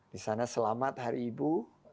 di sana selamat hari ibu